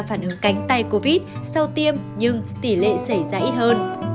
phản ứng cánh tay covid sau tiêm nhưng tỷ lệ xảy ra ít hơn